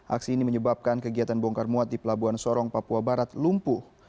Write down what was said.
aksi ini menyebabkan kegiatan bongkar muat di pelabuhan sorong papua barat lumpuh